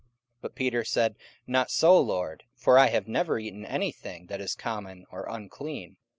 44:010:014 But Peter said, Not so, Lord; for I have never eaten any thing that is common or unclean.